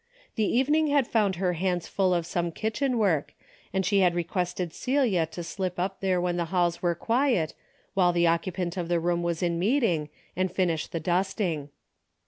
The even ing had found her hands full of some kitchen work, and she had requested Celia to slip up there when the halls were quiet, while the oc cupant of the room was in meeting and finish the dusting.